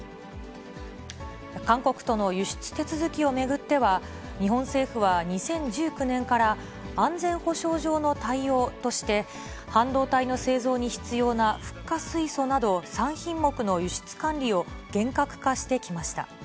韓国との輸出手続きを巡っては、日本政府は２０１９年から、安全保障上の対応として、半導体の製造に必要なフッ化水素など、３品目の輸出管理を厳格化してきました。